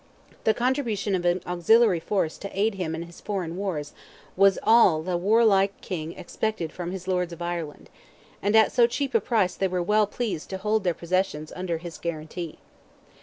The contribution of an auxiliary force to aid him in his foreign wars was all the warlike King expected from his lords of Ireland, and at so cheap a price they were well pleased to hold their possessions under his guarantee.